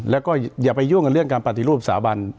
แล้วก็อย่าไปยุ่งกับเรื่องการปฏิรูปสถาบัน